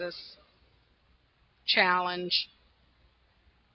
Ill CHALLENGE.